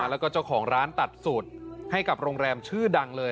แล้วก็เจ้าของร้านตัดสูตรให้กับโรงแรมชื่อดังเลย